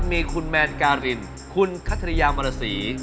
มีคุณแมนการินคุณคัทริยามรสี